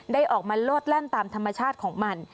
ได้ออกมาโลดแล่นตามธรรมชาติของมัน